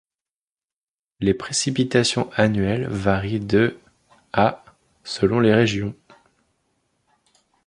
Les précipitations annuelles varient de à selon les régions.